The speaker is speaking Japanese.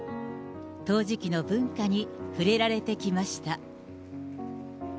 陶磁器の文化に触れられてきました。